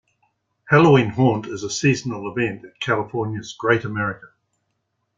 Halloween Haunt is a seasonal event at California's Great America.